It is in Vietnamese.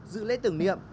dự lễ tưởng niệm